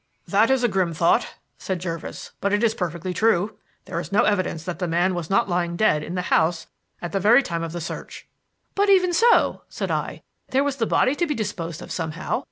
"That is a grim thought," said Jervis; "but it is perfectly true. There is no evidence that the man was not lying dead in the house at the very time of the search." "But even so," said I, "there was the body to be disposed of somehow.